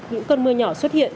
những cơn mưa nhỏ xuất hiện